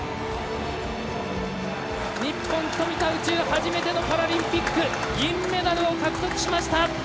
初めてのパラリンピック銀メダルを獲得しました！